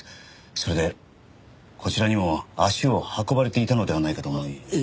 それでこちらにも足を運ばれていたのではないかと思い。